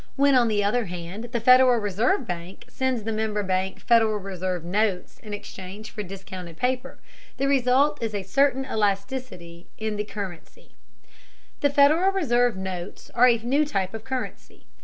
When, on the other hand, the Federal Reserve bank sends the member bank Federal Reserve notes in exchange for discounted paper, the result is a certain elasticity in the currency. The Federal Reserve notes are a new type of currency.